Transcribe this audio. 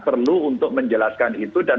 perlu untuk menjelaskan itu dan